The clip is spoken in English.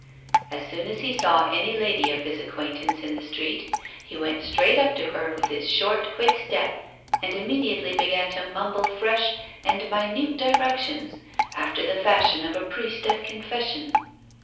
As soon as he saw any lady of his acquaintance in the street, he went straight up to her with his short, quick step, and immediately began to mumble fresh and minute directions, after the fashion of a priest at confession.